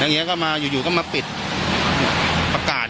อยู่ก็มาปิดประกาศ